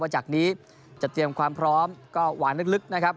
จากนี้จะเตรียมความพร้อมก็หวานลึกนะครับ